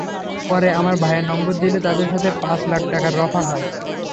পরে আমার ভাইয়ের নম্বর দিলে তাদের সাথে পাঁচ লাখ টাকায় রফা করে।